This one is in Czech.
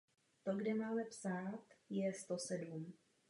Karel Brückner nabídku odmítl.